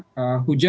oke kedua adalah